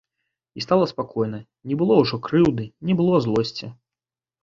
І стала спакойна, не было ўжо крыўды, не было злосці.